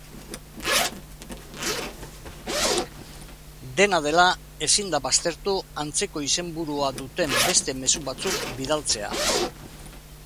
Dena dela, ezin da baztertu antzeko izenburua duten beste mezu batzuk bidaltzea.